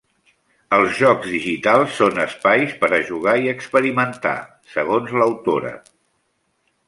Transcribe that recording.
Els jocs digitals són espais per a jugar i experimentar, segons l'autora.